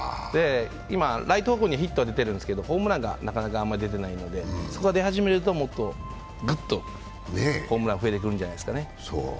今、ライト方向へヒットは出ているんですけど、ホームランがなかなか出ていないんでそこが出始めるとグッとホームランが増えてくるんじゃないですかね。